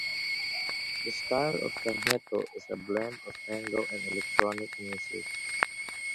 The style of Tanghetto is a blend of tango and electronic music.